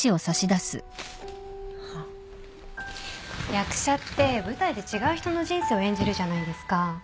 役者って舞台で違う人の人生を演じるじゃないですか。